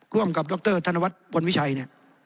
ร่วมกับดรธนวัฒน์พลวิชัยเนี่ย